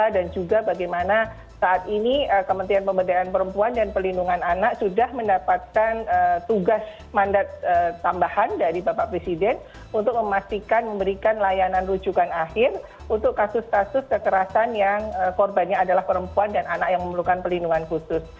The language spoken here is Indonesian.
juga bagaimana saat ini kementerian pemberdayaan perempuan dan pelindungan anak sudah mendapatkan tugas mandat tambahan dari bapak presiden untuk memastikan memberikan layanan rujukan akhir untuk kasus kasus kekerasan yang korbannya adalah perempuan dan anak yang memerlukan pelindungan khusus